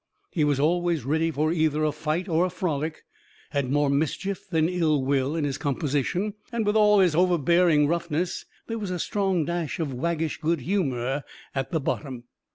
He was always ready for either a fight or a frolic; had more mischief than ill will in his composition; and, with all his overbearing roughness, there was a strong dash of waggish good humor at bottom.